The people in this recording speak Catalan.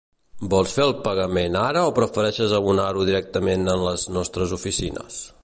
Vols fer el pagament ara o prefereixes abonar-ho directament en les nostres oficines?